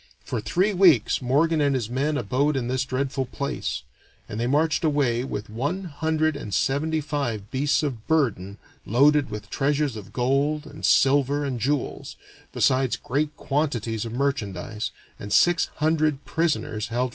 For three weeks Morgan and his men abode in this dreadful place; and they marched away with one hundred and seventy five beasts of burden loaded with treasures of gold and silver and jewels, besides great quantities of merchandise, and six hundred prisoners held for ransom.